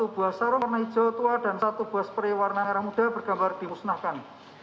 satu buah sarung warna hijau tua dan satu buah spray warna merah muda bergambar dimusnahkan